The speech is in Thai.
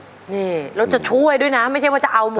นี่แล้วจะช่วยด้วยนะไม่ใช่ว่าจะเอาหมอ